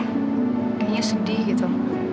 kayaknya sedih gitu